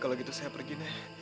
kalau gitu saya pergi